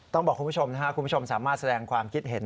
ต้องบอกคุณผู้ชมนะครับคุณผู้ชมสามารถแสดงความคิดเห็น